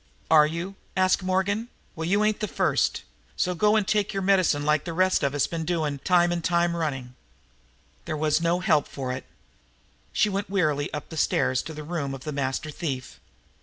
"Are you?" asked Morgan. "Well, you ain't the first. Go and take your medicine like the rest of us have done, time and time running." There was no help for it. She went wearily up the stairs to the room of the master thief.